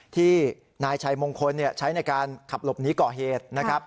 ที่นายชัยมงคลใช้ในการขับหลบหนีก่อเหตุนะครับ